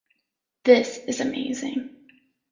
This is amazing.